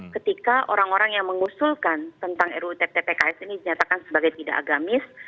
ketika orang orang yang mengusulkan tentang ruu tpks ini dinyatakan sebagai tidak agamis